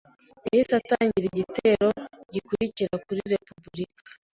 Yahise atangira igitero gikurikira kuri repubulika.